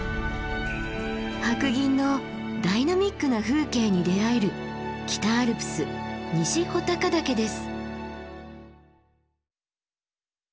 白銀のダイナミックな風景に出会える北アルプス西穂高岳です。